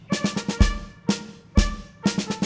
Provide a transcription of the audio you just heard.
orang yang bell agak beruang